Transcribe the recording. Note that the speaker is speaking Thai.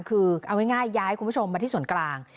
คือเอาง่ายย้ายคุณผู้ชมมาที่ส่วนกลาง